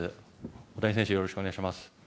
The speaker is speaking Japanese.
大谷選手、よろしくお願いします。